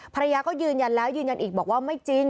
ภรรยาก็ยืนยันแล้วยืนยันอีกบอกว่าไม่จริง